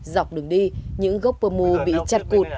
dọc đường đi những gốc pơ mu bị chặt cụt